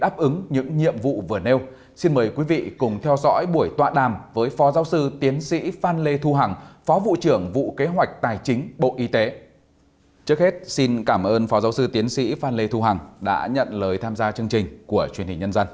phó giáo sư tiến sĩ phan lê thu hằng đã nhận lời tham gia chương trình của truyền hình nhân dân